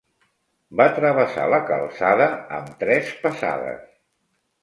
Va travessar la calçada amb tres passades.